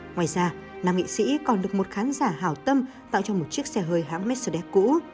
ngoài ra nam nghị sĩ còn được một khán giả hào tâm tạo cho một chiếc xe hơi hãng mercedes cũ